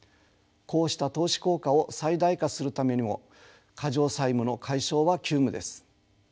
こうした投資効果を最大化するためにも過剰債務の解消は急務です。